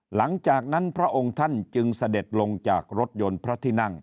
หลังจากนั้นพระองค์ท่านจึงเสด็จลงจากรถยนต์พระที่นั่ง